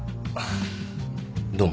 どうも。